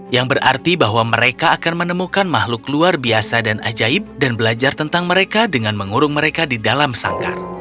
yang berarti bahwa mereka akan menemukan makhluk luar biasa dan ajaib dan belajar tentang mereka dengan mengurung mereka di dalam sangkar